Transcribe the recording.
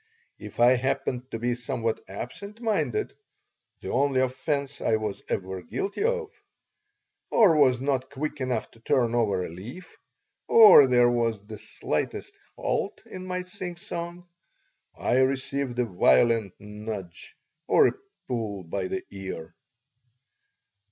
If I happened to be somewhat absent minded (the only offense I was ever guilty of), or was not quick enough to turn over a leaf, or there was the slightest halt in my singsong, I received a violent "nudge" or a pull by the ear.